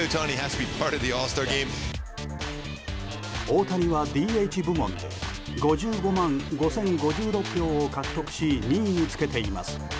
大谷はＤＨ部門で５５万５０５６票を獲得し２位につけています。